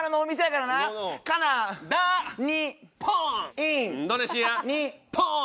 イン。